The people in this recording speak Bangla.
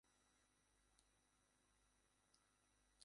আমি সেই লাইব্রেরি দেখাশোনা করি।